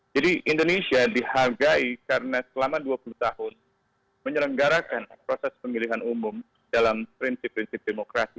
jadi indonesia dihargai karena selama dua puluh tahun menyelenggarakan proses pemilihan umum dalam prinsip prinsip demokrasi